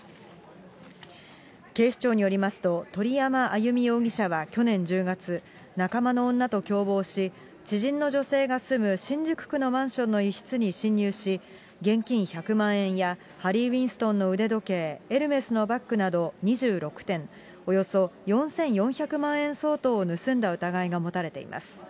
警視庁によりますと、鳥山あゆみ容疑者は去年１０月、仲間の女と共謀し、知人の女性が住む新宿区のマンションの一室に侵入し、現金１００万円やハリー・ウィンストンの腕時計、エルメスのバッグなど２６点、およそ４４００万円相当を盗んだ疑いが持たれています。